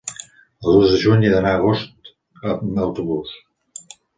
El dos de juny he d'anar a Agost amb autobús.